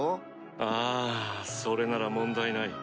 ああそれなら問題ない。